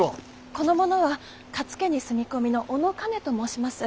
この者は勝家に住み込みの小野兼と申します。